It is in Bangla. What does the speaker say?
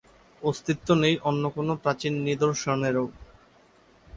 অস্তিত্ব নেই অন্য কোনা প্রাচীন নিদর্শনেরও।